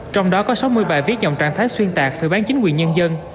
trong đó có sáu mươi bài viết dòng trạng thái xuyên tạc phô bán chính quyền nhân dân